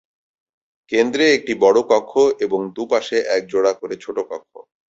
কেন্দ্রে একটি বড় কক্ষ এবং দুপাশে এক জোড়া করে ছোট কক্ষ।